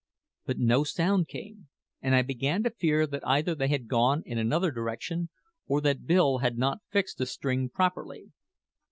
But no sound came, and I began to fear that either they had gone in another direction or that Bill had not fixed the string properly.